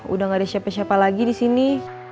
udah gak ada siapa siapa lagi disini